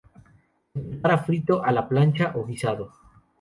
Se prepara frito, a la plancha o guisado.